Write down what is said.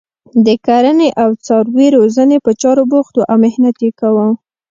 د کرنې او څاروي روزنې په چارو بوخت وو او محنت یې کاوه.